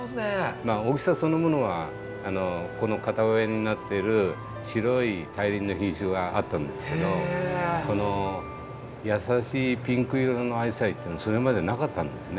まあ大きさそのものはこの片親になってる白い大輪の品種があったんですけどこの優しいピンク色のアジサイっていうのはそれまでなかったんですね。